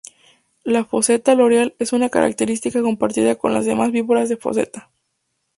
La foseta loreal es una característica compartida con las demás víboras de foseta.